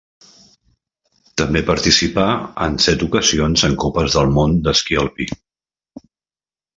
També participà en set ocasions en Copes del Món d'esquí alpí.